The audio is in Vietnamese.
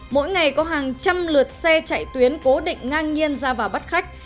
mỗi ngày có hàng trăm lượt xe chạy tuyến cố định ngang nhiên ra vào bắt khách